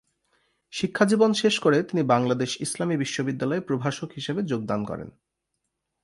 শিক্ষাজীবন শেষ করে তিনি বাংলাদেশ ইসলামী বিশ্ববিদ্যালয়ে প্রভাষক হিসেবে যোগদান করেন।